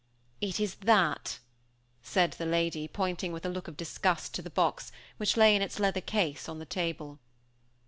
_" "It is that!" said the lady, pointing with a look of disgust to the box, which lay in its leather case on the table.